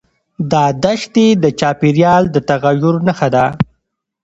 دا دښتې د چاپېریال د تغیر نښه ده.